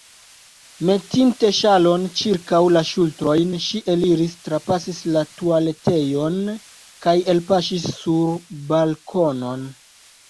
Metinte ŝalon ĉirkaŭ la ŝultrojn, ŝi eliris, trapasis la tualetejon kaj elpaŝis sur balkonon.